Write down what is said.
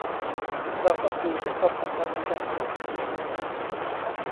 เราต้องดูที่ ความสัมพันธ์ในการผลิต